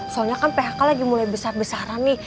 soalnya kan phk lagi mulai besar besaran nih